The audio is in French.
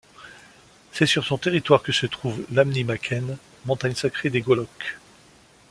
C'est sur son territoire que se trouve l'Amnye Machen, montagne sacrée des Goloks.